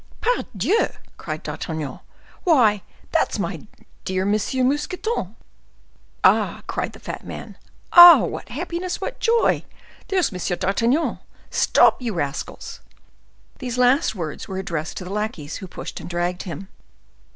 "Pardieu!" cried D'Artagnan; "why, that's my dear Monsieur Mousqueton!" "Ah!" cried the fat man—"ah! what happiness! what joy! There's M. d'Artagnan. Stop, you rascals!" These last words were addressed to the lackeys who pushed and dragged him.